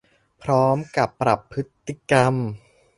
พร้อมกับปรับพฤติกรรม